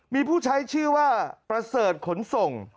มีผู้ใช้ชื่อว่าประเสริฐขนส่ง